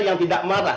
yang tidak marah